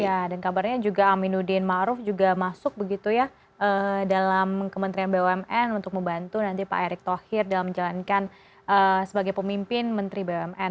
ya dan kabarnya juga aminuddin ⁇ maruf ⁇ juga masuk begitu ya dalam kementerian bumn untuk membantu nanti pak erick thohir dalam menjalankan sebagai pemimpin menteri bumn